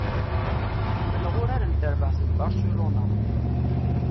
Ḥemmleɣ urar n terbaɛt n Barcelona.